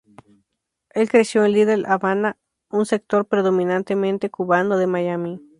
Él creció en "Little Havana", un sector predominantemente cubano de Miami.